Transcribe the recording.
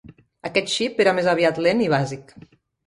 Aquest xip era més aviat lent i bàsic.